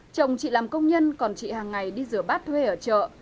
chồng chị làm công nhân còn chị hàng ngày đi rửa bát thuê ở chợ